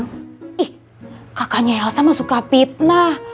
ih kakaknya elsa mah suka fitnah